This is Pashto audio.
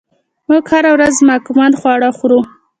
موږ هره ورځ ځواکمن خواړه خورو.